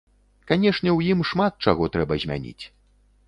Канешне, у ім шмат чаго трэба змяніць.